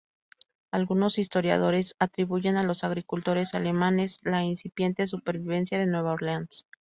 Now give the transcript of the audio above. Algunos historiadores atribuyen a los agricultores alemanes la incipiente supervivencia de Nueva Orleans.